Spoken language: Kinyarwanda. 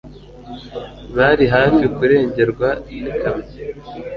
Bari hafi kurengerwa n'ikamyo.